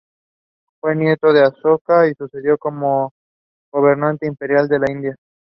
Hawkins was born in Ohio.